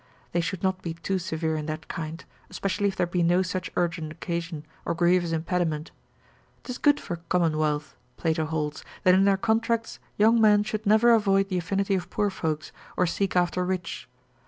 They should not be too severe in that kind, especially if there be no such urgent occasion, or grievous impediment. 'Tis good for a commonwealth. Plato holds, that in their contracts young men should never avoid the affinity of poor folks, or seek after rich.